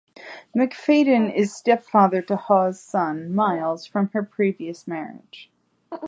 Macfadyen is stepfather to Hawes's son, Myles, from her previous marriage.